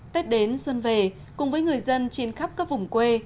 tết đến xuân về cùng với người dân trên khắp các vùng quê